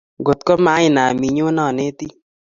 Ngotko ma i nam inyon anetin